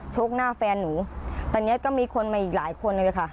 กหน้าแฟนหนูตอนนี้ก็มีคนมาอีกหลายคนเลยค่ะ